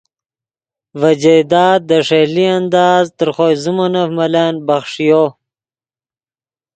ڤے جائیداد دے ݰئیلے انداز تر خوئے زیمونف ملن بخݰیو